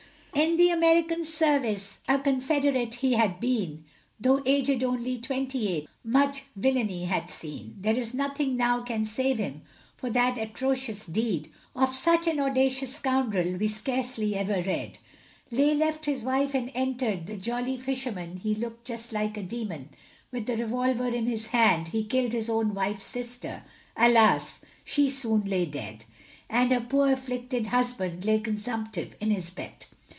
In the American service, A Confederate, he had been, Though aged only twenty eight, Much villany had seen; There is nothing now can save him, For that atrocious deed. Of such an audacious scoundrel We scarcely ever read. Leigh left his wife and entered The Jolly Fisherman; He looked just like a demon, With the revolver in his hand; He killed his own wife's sister, Alas! she soon lay dead, And her poor afflicted husband, Lay consumptive in his bed.